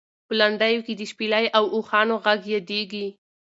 په لنډیو کې د شپېلۍ او اوښانو غږ یادېږي.